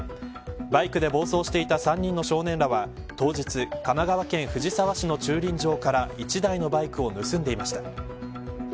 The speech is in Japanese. バイクで暴走していた３人の少年らは当日、神奈川県藤沢市の駐輪場から１台のバイクを盗んでいました。